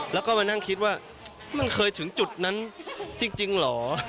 แล้วก็มานั่งคิดว่ามันเคยถึงจุดนั้นจริงเหรอ